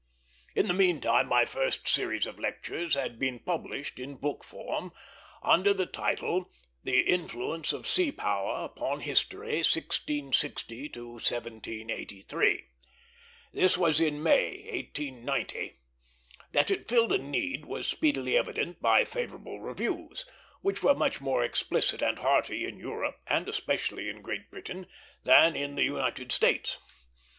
In the mean time my first series of lectures had been published in book form, under the title The Influence of Sea Power upon History, 1660 1783. This was in May, 1890. That it filled a need was speedily evident by favorable reviews, which were much more explicit and hearty in Europe, and especially in Great Britain, than in the United States.